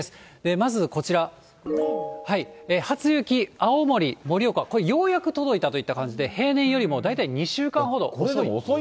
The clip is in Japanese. まずこちら、初雪、青森、盛岡、これ、ようやく届いたといった感じで、平年よりも大体２週間ほど遅い。